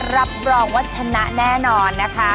รับรองว่าชนะแน่นอนนะคะ